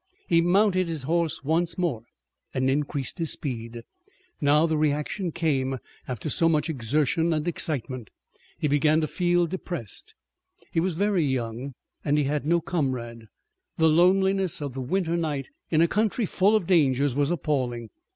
He mounted his horse once more, and increased his speed. Now the reaction came after so much exertion and excitement. He began to feel depressed. He was very young and he had no comrade. The loneliness of the winter night in a country full of dangers was appalling.